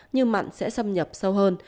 nhưng mặn sẽ xâm nhập sâu hơn